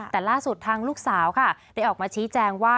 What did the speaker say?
แต่ล่าสุดทางลูกสาวค่ะได้ออกมาชี้แจงว่า